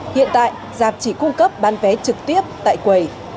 hiện tại giạp chỉ cung cấp bán vé trực tiếp tại quầy